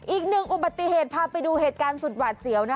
อีกหนึ่งอุบัติเหตุพาไปดูเหตุการณ์สุดหวาดเสียวนะ